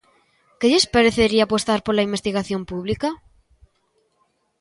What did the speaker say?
¿Que lles parecería apostar pola investigación pública?